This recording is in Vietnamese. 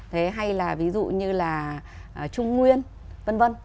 thế hay là ví dụ như là trung nguyên vân vân